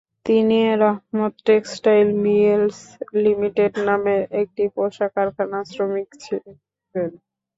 তিনি Rahmat textile mills limited নামের একটি পোশাক কারখানার শ্রমিক ছিলেন।